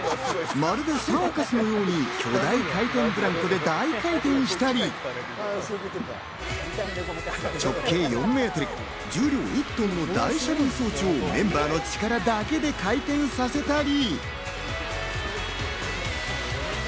まるでサーカスのように巨大回転ブランコで大回転したり、直径４ｍ、重量１トンの大車輪装置をメンバーの力だけで回転させたり。